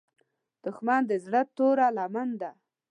دښمن د زړه توره لمن ده